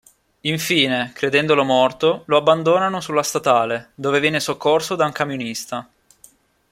Infine, credendolo morto, lo abbandonano sulla statale, dove viene soccorso da un camionista.